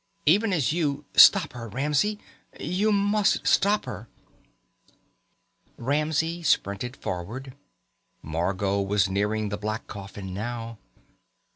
Even as you stop her, Ramsey. You must stop her!" Ramsey sprinted forward. Margot was nearing the black coffin now.